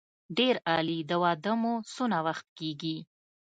ډېر عالي د واده مو څونه وخت کېږي.